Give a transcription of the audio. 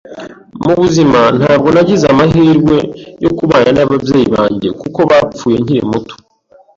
Mu buzima ntabwo nagize amahirwe yo kubana n’ababyeyi banjye kuko bapfuye nkiri muto